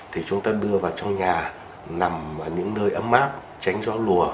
thì chúng ta đưa vào trong nhà nằm ở những nơi ấm mát